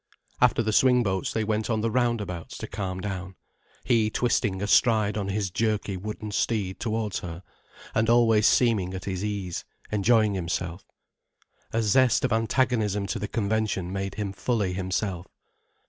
After the swingboats, they went on the roundabouts to calm down, he twisting astride on his jerky wooden steed towards her, and always seeming at his ease, enjoying himself. A zest of antagonism to the convention made him fully himself.